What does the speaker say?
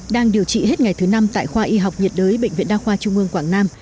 đang điều trị hết ngày thứ năm tại khoa y học nhiệt đới bệnh viện đa khoa trung ương quảng nam